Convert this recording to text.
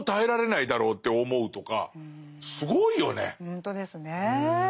ほんとですね。